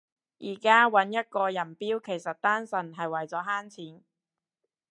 而家搵一個人標其實單純係為咗慳錢